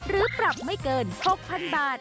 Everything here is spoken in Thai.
หรือปรับไม่เกิน๖๐๐๐บาท